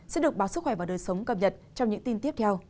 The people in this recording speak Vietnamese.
sẽ được báo sức khỏe và đời sống cập nhật trong những tin tiếp theo